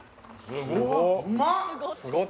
すごっ！